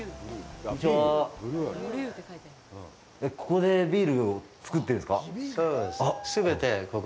ここでビールを造ってるんですか？